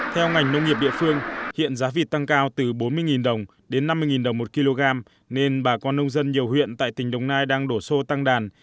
theo ngành nông nghiệp địa phương hiện giá vịt tăng cao từ bốn mươi đồng đến năm mươi đồng một kg nên bà con nông dân nhiều huyện tại tỉnh đồng nai đang đổ xô tăng đàn